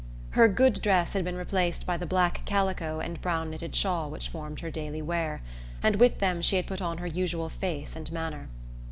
Her "good" dress had been replaced by the black calico and brown knitted shawl which formed her daily wear, and with them she had put on her usual face and manner.